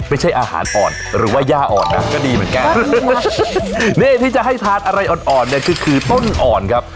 ไม่ใช่อาหารอ่อนหรือว่าย่าอ่อนนะก็ดีเหมือนกันนี่ที่จะให้ทานอะไรอ่อนอ่อนเนี่ยก็คือต้นอ่อนครับ